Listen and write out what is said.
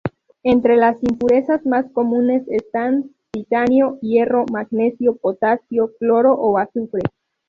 Entre las impurezas más comunes están: titanio, hierro, magnesio, potasio, cloro o azufre.